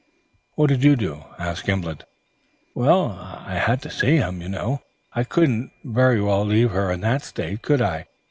"What did you do?" asked Gimblet. "Well, I had to see to her, you know. I couldn't very well leave her in that state, could I?